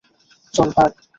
চল, ভাগ!